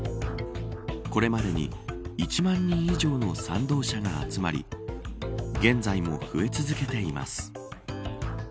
これまでに１万人以上の賛同者が集まり現在も増え続けています。